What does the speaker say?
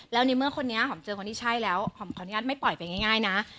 แล้วในเมื่อคนนี้หอมเจอคนที่ใช่แล้วหอมขออนุญาตไม่ปล่อยไปง่ายนะ